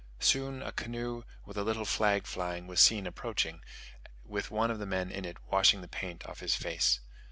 Soon a canoe, with a little flag flying, was seen approaching, with one of the men in it washing the paint off his face.